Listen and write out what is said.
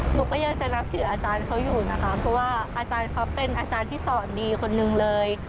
หนูก็ยังจะนับถืออาจารย์เขาอยู่นะคะเพราะว่าอาจารย์เขาเป็นอาจารย์ที่สอนดีคนนึงเลย